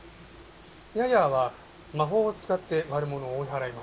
ヤヤーは魔法を使って悪者を追い払います。